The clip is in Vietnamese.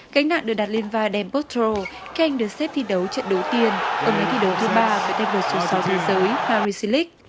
cánh nạn được đặt lên vai dan potro kênh được xếp thi đấu trận đầu tiên ông ấy thi đấu thứ ba với đại đội số sáu thế giới harry selig